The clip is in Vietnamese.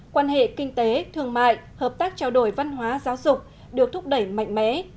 quan hệ kinh tế thương mại hợp tác trao đổi văn hóa giáo dục được thúc đẩy mạnh mẽ